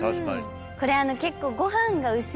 これ結構。